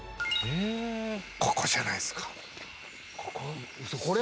ここじゃないですか？